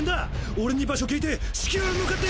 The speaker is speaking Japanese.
俺に場所聞いて至急向かって。